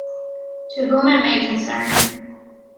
To whom it may concern.